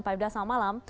pak ifdal selamat malam